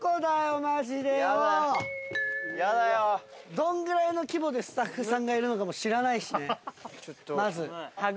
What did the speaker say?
どんぐらいの規模でスタッフさんがいるのかも知らないしねまず。